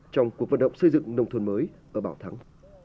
trong cuộc vận động xây dựng nông thuần mới ở bà thắng